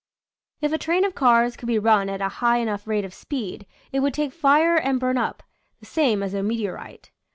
If a train of cars could be run at a high enough rate of speed it would take fire and burn up, the same as a meteorite.